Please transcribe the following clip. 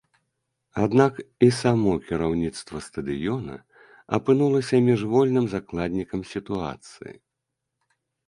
Аднак і само кіраўніцтва стадыёна апынулася міжвольным закладнікам сітуацыі.